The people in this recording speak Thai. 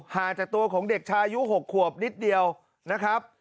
ห่างจากตัวของเด็กชายุ๖ขวบนิดเดียวนะครับ